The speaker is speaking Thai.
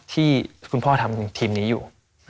ที่คุณพ่อทำทีมนี้อยู่